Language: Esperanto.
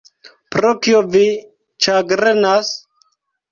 Pro kio vi ĉagrenas?